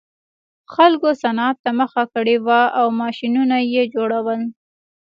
خلکو صنعت ته مخه کړې وه او ماشینونه یې جوړول